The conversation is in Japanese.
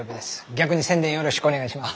逆に宣伝よろしくお願いします。